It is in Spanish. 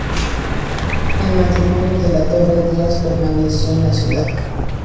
El matrimonio De la Torre-Díaz permaneció en la Ciudad.